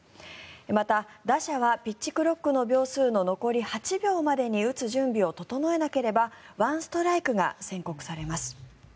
また、打者はピッチクロックの秒数の残り８秒までに打つ準備を整えなければ１ストライクが宣告されます。